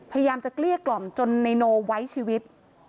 พยายามจะเกลี้ยกล่อมจนนายโนไว้ชีวิต